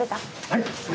はい！